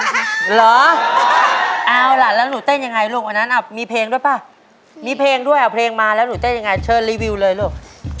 เอาล่ะแล้วหนูเต้นยังไงลูกวันนั้นอ่ะมีเพลงด้วยป่ะมีเพลงด้วยเอาเพลงมาแล้วหนูเต้นยังไงเชิญรีวิวเลยลูก